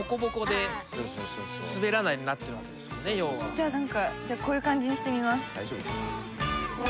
じゃあ何かこういう感じにしてみます。